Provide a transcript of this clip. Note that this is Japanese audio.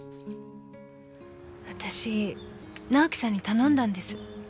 わたし直季さんに頼んだんです。